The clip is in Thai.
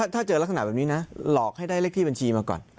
ถ้าเจอลักษณะแบบนี้นะหลอกให้ได้เลขที่บัญชีมาก่อน